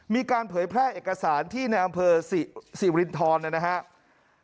มีการเผยแพร่เอกสารที่ในอำเภอศรีวินทรนะครับ